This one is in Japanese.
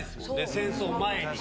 戦争前に。